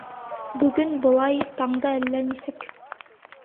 Бөгөн былай, таңда әллә нисек.